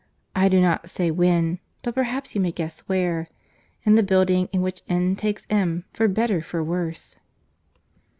I do not say when, but perhaps you may guess where;—in the building in which N. takes M. for better, for worse."